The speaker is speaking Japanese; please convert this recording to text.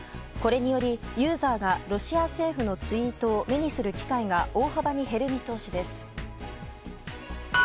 これによりユーザーがロシア政府のツイートを目にする機会が大幅に減る見通しです。